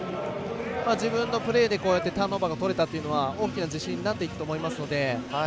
自分のプレーでこうやってターンオーバーがとれたというのは大きな自信になっていくと思いますので。